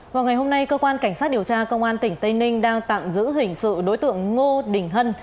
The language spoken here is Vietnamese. vào ngày hôm nay cơ quan cảnh sát điều tra công an tỉnh tây ninh đang tạm giữ hình sự đối tượng ngô đình hân